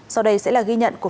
sau đây sẽ là ghi nhận của phòng